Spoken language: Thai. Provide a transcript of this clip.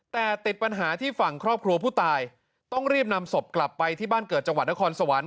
แต่ติดปัญหาที่ฝั่งครอบครัวผู้ตายต้องรีบนำศพกลับไปที่บ้านเกิดจังหวัดนครสวรรค์